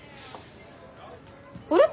あれ！？